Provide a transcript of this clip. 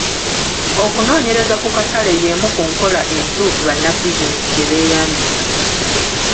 Okunoonyereza ku katale y'emu ku nkola entuufu bannabizinensi gye beeyambisa.